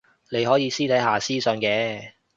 你可以私底下私訊嘅